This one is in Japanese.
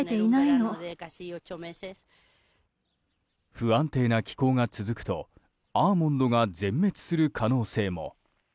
不安定な気候が続くとアーモンドが全滅する可能性も。